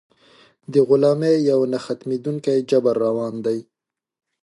د غلامۍ یو نه ختمېدونکی جبر روان دی.